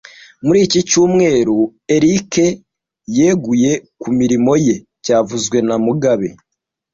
Muri iki cyumweru, Eric yeguye ku mirimo ye byavuzwe na mugabe